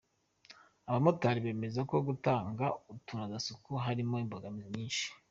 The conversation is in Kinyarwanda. Abamotari bemeza ko gutanga utunozasuku harimo imbogamizi nyinshi